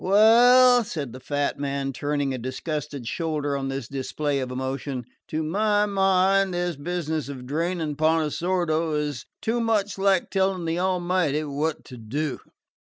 "Well," said the fat man, turning a disgusted shoulder on this display of emotion, "to my mind this business of draining Pontesordo is too much like telling the Almighty what to do.